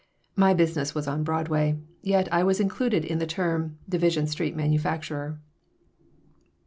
My business was on Broadway, yet I was included in the term, "Division Street manufacturer."